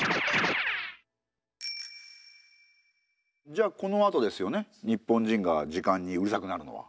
じゃあこのあとですよね日本人が時間にうるさくなるのは。